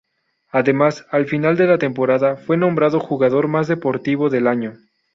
Además, al final de la temporada fue nombrado jugador más deportivo del año.